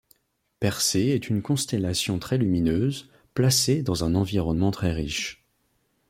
Persée est une constellation très lumineuse, placée dans un environnement très riche.